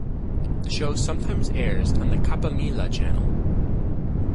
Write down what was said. The show sometimes airs on the Kapamilya Channel.